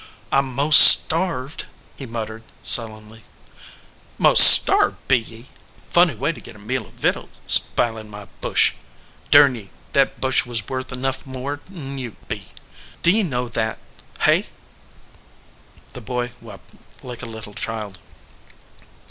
"I m most starved," he muttered, sullenly. " Most starved, be ye ? Funny way to get a meal of vittles, sp ilin my bush! Burn ye, that bush was worth enough more n t you be, do ye know that hey?" The boy wept like a little child.